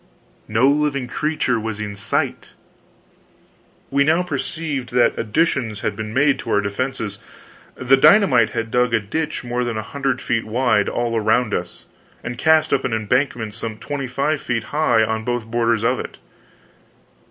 No living creature was in sight! We now perceived that additions had been made to our defenses. The dynamite had dug a ditch more than a hundred feet wide, all around us, and cast up an embankment some twenty five feet high on both borders of it.